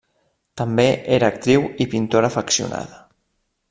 També era actriu i pintora afeccionada.